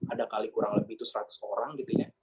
ada kali kurang lebih itu seratus orang gitu ya